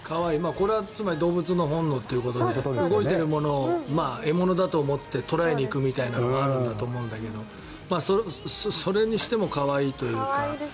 これはつまり動物の本能ということで動いているものを獲物だと思って捕らえに行くみたいな感じだと思うんだけどそれにしても可愛いというか。